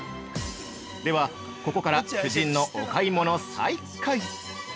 では、ここから夫人のお買い物再開。